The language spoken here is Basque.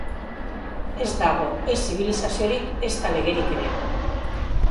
Ez dago ez zibilizaziorik, ezta legerik ere.